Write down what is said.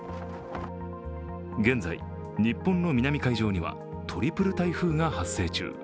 現在、日本の南海上にはトリプル台風が発生中。